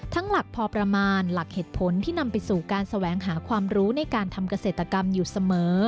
หลักพอประมาณหลักเหตุผลที่นำไปสู่การแสวงหาความรู้ในการทำเกษตรกรรมอยู่เสมอ